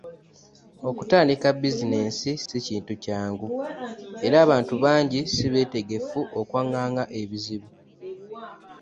Okutandika bizinensi si kintu kyangu, era abantu bangi si beetegefu okwanganga ebizibu.